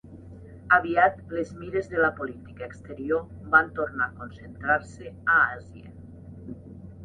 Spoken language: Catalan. Aviat les mires de la política exterior van tornar a concentrar-se a Àsia.